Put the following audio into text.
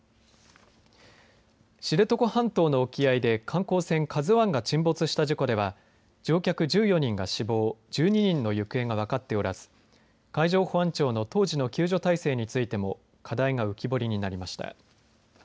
知床半島の沖合で観光船ＫＡＺＵＩが沈没した事故では乗客１４人が死亡１２人の行方が分かっておらず海上保安庁の当時の救助体制についても課題が浮き彫りになりました。